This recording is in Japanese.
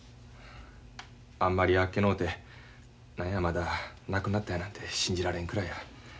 あんまりあっけのうて何やまだ亡くなったやなんて信じられんくらいや。